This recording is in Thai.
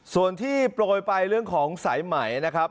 ส่วนที่โปรยไปเรื่องของสายไหมนะครับ